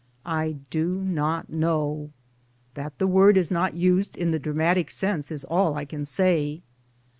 I do not know. That the word is not used in the dramatic sense is all I can say.